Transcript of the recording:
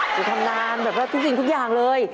ไปทำงานแบบว่าทุกสิ่งทุกอย่างเลย